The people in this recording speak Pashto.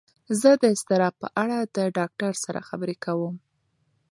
زه د اضطراب په اړه د ډاکتر سره خبرې کوم.